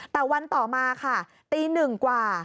แต่วันต่อมาค่ะตี๑กว่า